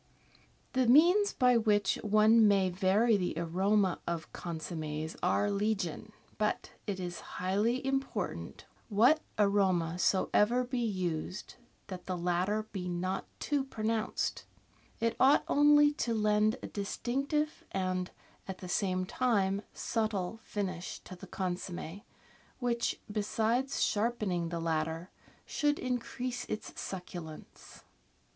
The means by which one may vary the aroma of con sommes are legion, but it is highly important, what aroma soever be used, that the latter be not too pronounced. It ought only to lend a distinctive and, at the same time, subtle finish to the consomm6, which, besides sharpening the latter, should increase its succulence.